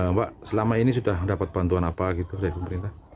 mbak selama ini sudah mendapat bantuan apa gitu dari pemerintah